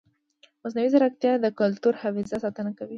مصنوعي ځیرکتیا د کلتوري حافظې ساتنه کوي.